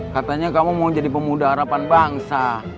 katanya kamu mau jadi pemuda harapan bangsa